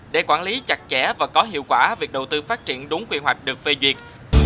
để quản lý chặt chẽ và có hiệu quả việc đầu tư phát triển đúng quy hoạch được phê duyệt